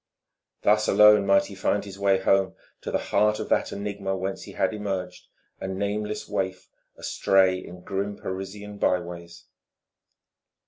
Thus alone might he find his way home to the heart of that enigma whence he had emerged, a nameless waif astray in grim Parisian by ways....